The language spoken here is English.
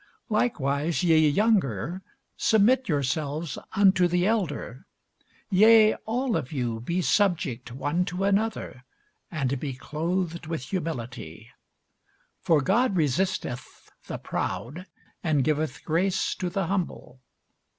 Likewise, ye younger, submit yourselves unto the elder. Yea, all of you be subject one to another, and be clothed with humility: for God resisteth the proud, and giveth grace to the humble.